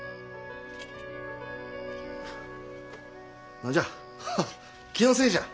何じゃハッ気のせいじゃ。